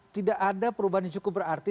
tidak ada perubahan yang cukup berarti